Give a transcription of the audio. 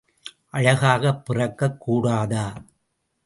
அழகாகப் பிறக்கக் கூடாதா?